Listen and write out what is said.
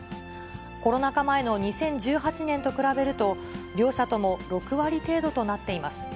コロナ禍前の２０１８年と比べると、両社とも６割程度となっています。